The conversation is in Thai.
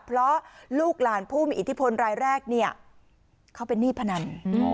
เพราะลูกหลานผู้มีอิทธิพลรายแรกเนี่ยเขาเป็นหนี้พนัน